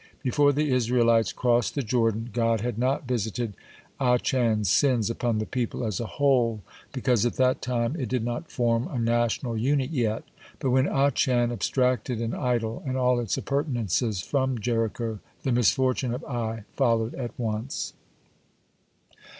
(25) Before the Israelites crossed the Jordan, God had not visited Achan's sins upon the people as a whole, because at that time it did not form a national unit yet. But when Achan abstracted an idol and all its appurtenances from Jericho, (26) the misfortune of Ai followed at once.